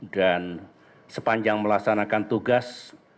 dan sepanjang melaksanakan tugas